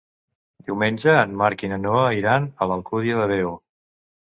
Diumenge en Marc i na Noa iran a l'Alcúdia de Veo.